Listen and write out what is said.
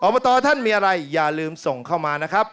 บตท่านมีอะไรอย่าลืมส่งเข้ามานะครับ